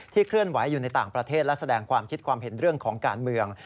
เคลื่อนไหวอยู่ในต่างประเทศและแสดงความคิดความเห็นเรื่องของการเมือง